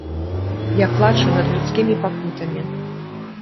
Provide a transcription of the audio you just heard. Я плачу над людскімі пакутамі.